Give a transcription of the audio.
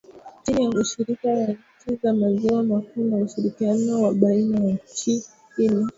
chini ya ushirika wa nchi za maziwa makuu na ushirikiano wa baina ya nchi ili